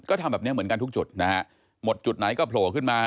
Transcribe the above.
ก็ทำแบบนี้เหมือนกันทุกจุดนะฮะหมดจุดไหนก็โผล่ขึ้นมา